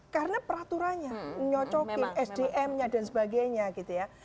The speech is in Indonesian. karena peraturannya nyocokin sdm nya dan sebagainya gitu ya